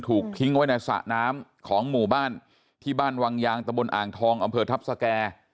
ถูกทิ้งไว้ในสระน้ำของหมู่บ้านที่บ้านวังยางตะบนอ่างทองอำเภอทัพสแก่